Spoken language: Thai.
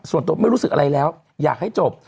ส่วนตัวไม่รู้สึกอะไรแล้วอยากให้จบ